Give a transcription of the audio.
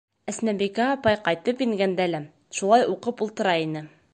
Әсмәбикә апай ҡайтып ингәндә лә, шулай уҡып ултыра ине.